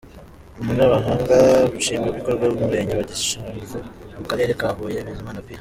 Umunyamabanga nshingwabikorwa w’Umurenge wa Gishamvu mu karere ka Huye Bizimana P.